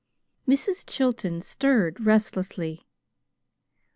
Mrs. Chilton stirred restlessly.